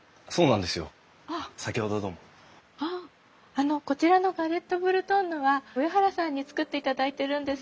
あのこちらのガレットブルトンヌは上原さんに作っていただいてるんです。